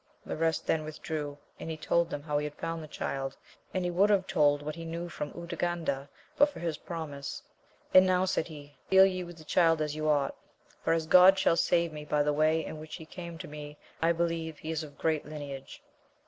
The rest then withdrew, and he told them how he had found the child ; and he would have told what he knew from Urganda, but for his promise ; and now, said he, deal ye with the child as ye ought, for as God shall save me by the way in which he came to me, I believe he is of great lineage.